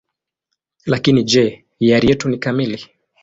Lakini je, hiari yetu ni kamili?